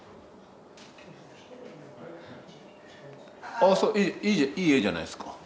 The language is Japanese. ああいい絵じゃないですか。